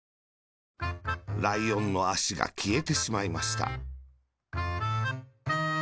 ライオンのあしがきえてしまいました。